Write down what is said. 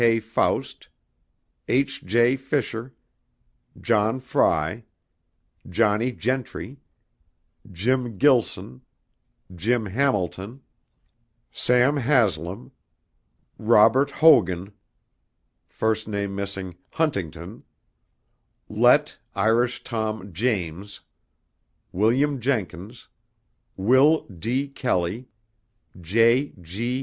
K. Faust, H. J. Fisher, John Frey, Johnnie Gentry, Jim Gilson, Jim Hamilton, Sam Haslam, Robert Hogan (first name missing) Huntington, Let "Irish Tom" James, William Jenkins, Will D. Kelley, Jay G.